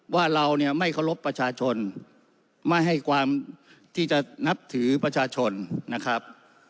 ว่าเราเนี่ยไม่เคารพประชาชนไม่ให้ความที่จะนับถือประชาชนนะครับ